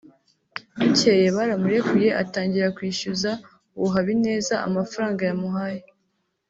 Bukeye baramurekuye atangira kwishyuza uwo Habineza amafaranga yamuhaye